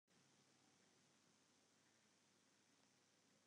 Moat ik de heit fan de breid om de hân fan syn dochter freegje?